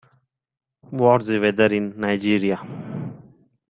What's the weather in Nigeria?